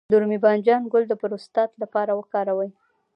د رومي بانجان ګل د پروستات لپاره وکاروئ